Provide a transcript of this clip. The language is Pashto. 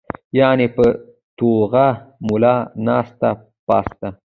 يعني پۀ ټوغه ملا ناسته پاسته